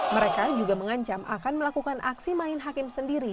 mereka juga mengancam akan melakukan aksi main hakim sendiri